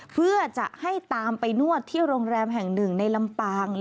เพื่อจะให้ตามไปนวดที่โรงแรมแห่งหนึ่งในลำปาง